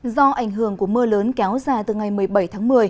do ảnh hưởng của mưa lớn kéo dài từ ngày một mươi bảy tháng một mươi